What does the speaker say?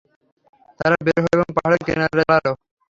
তারা বের হল এবং পাহাড়ের কিনারায় দাঁড়াল।